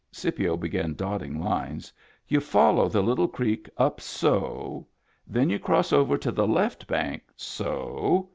Scipio began dotting lines. "You follow the little creek up, so. Then you cross over to the left bank, so.